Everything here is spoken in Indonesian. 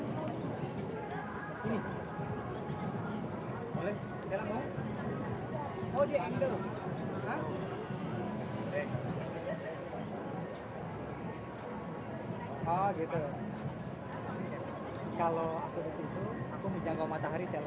selepas ini jangan luxuri atau buruk mythical